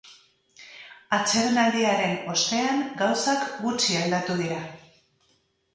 Atsedenaldiaren ostean gauzak gutxi aldatu dira.